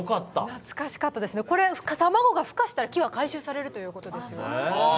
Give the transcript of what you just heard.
懐かしかったですね、卵がふ化したら木は回収されるということです。